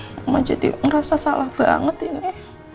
mama jadi ngerasa salah banget ini